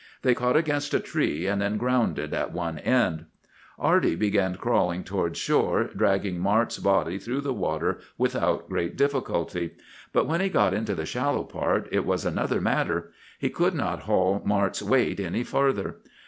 They caught against a tree, and then grounded at one end. "Arty began crawling toward shore, dragging Mart's body through the water without great difficulty. But when he got into the shallow part it was another matter; he could not haul Mart's weight any farther.